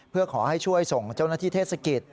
เพื่อขอให้ช่วยส่งเจ้าหน้าที่เทศกิจ